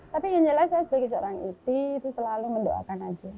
tapi yang jelas saya sebagai seorang iti itu selalu mendoakan aja